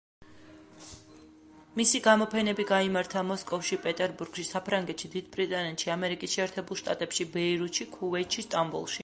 მისი გამოფენები გაიმართა მოსკოვში, პეტერბურგში, საფრანგეთში, დიდ ბრიტანეთში, ამერიკის შეერთებულ შტატებში, ბეირუთში, ქუვეითში, სტამბოლში.